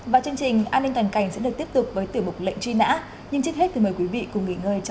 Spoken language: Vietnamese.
vâng xin được cảm ơn biên tập viên thu hương với những tin tức mà chị vừa cập nhật